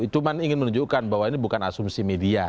cuma ingin menunjukkan bahwa ini bukan asumsi media